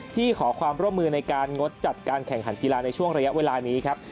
ขอความร่วมมือในการงดจัดการแข่งขันกีฬาในช่วงระยะเวลานี้ครับ